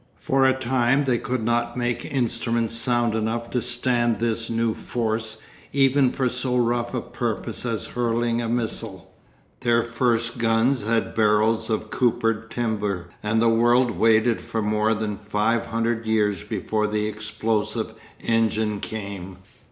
For a time they could not make instruments sound enough to stand this new force even for so rough a purpose as hurling a missile. Their first guns had barrels of coopered timber, and the world waited for more than five hundred years before the explosive engine came.